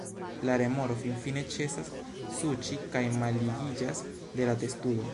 La remoro finfine ĉesas suĉi, kaj malligiĝas de la testudo.